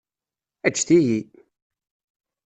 Ǧǧet-iyi!